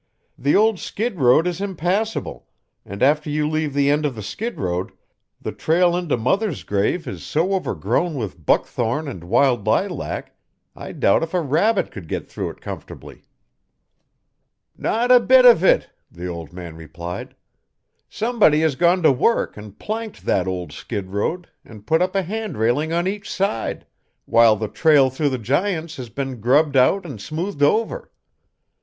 "The old skid road is impassable, and after you leave the end of the skid road, the trail in to Mother's grave is so overgrown with buckthorn and wild lilac I doubt if a rabbit could get through it comfortably." "Not a bit of it," the old man replied. "Somebody has gone to work and planked that old skid road and put up a hand railing on each side, while the trail through the Giants has been grubbed out and smoothed over.